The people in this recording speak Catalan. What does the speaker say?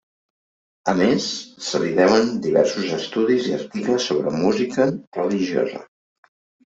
A més se li deuen, diversos estudis i articles sobre música religiosa.